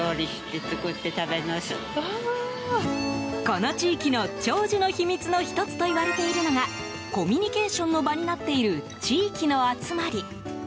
この地域の長寿の秘密の１つといわれているのがコミュニケーションの場になっている地域の集まり。